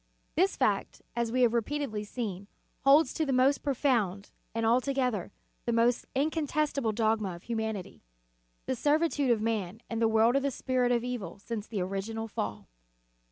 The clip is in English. This fact, as we have repeatedly seen, holds to the most profound, and, altogether, the most incontestable dogma of humanity; the servitude of man and the world to the Spirit of evil since the original fall.